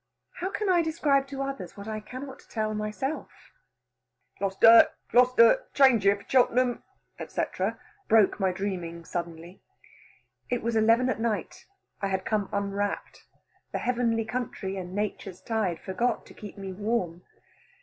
How can I describe to others what I cannot tell myself? "Glost'! Glost'! change here for Chelt'm!" &c. broke my dreaming suddenly. It was eleven at night. I had come unwrapped; the heavenly country and nature's tide forgot to keep me warm.